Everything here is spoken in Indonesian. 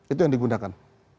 itu yang digunakan